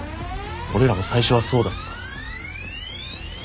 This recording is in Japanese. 俺らも最初はそうだった。